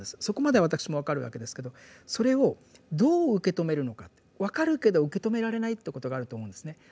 そこまでは私も分かるわけですけどそれをどう受け止めるのか分かるけど受け止められないということがあると思うんですね。